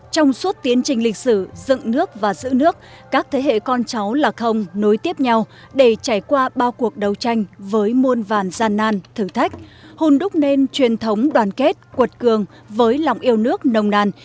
trong suốt tiến trình lịch sử dựng nước và giữ nước các thế hệ con cháu là không nối tiếp nhau để trải qua bao cuộc đấu tranh với muôn vàn gian nan thử thách hôn đúc nên truyền thống đoàn kết quật cường với lòng yêu nước nồng nàn